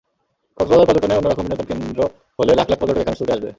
কক্সবাজার পর্যটনের অন্য রকম বিনোদনকেন্দ্র হলে লাখ লাখ পর্যটক এখানে ছুটে আসবে।